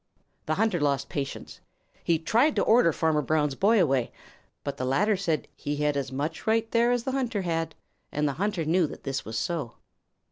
The hunter lost patience. He tried to order Farmer Brown's boy away. But the latter said he had as much right there as the hunter had, and the hunter knew that this was so.